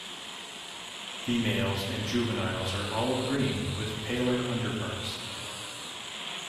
Females and juveniles are olive-green with paler underparts.